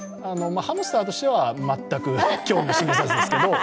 ハムスターとしては全く興味示さずですけど。